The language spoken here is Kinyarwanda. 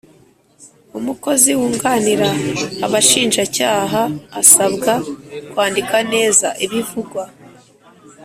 umukozi wunganira Abashinjacyaha asabwa kwandika neza ibivugwa